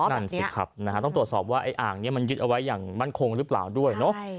นั่นสิครับนะฮะต้องตรวจสอบว่าไอ้อ่างนี้มันยึดเอาไว้อย่างมั่นคงหรือเปล่าด้วยเนอะ